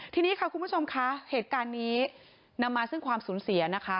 ทีนี้ค่ะคุณผู้ชมคะเหตุการณ์นี้นำมาซึ่งความสูญเสียนะคะ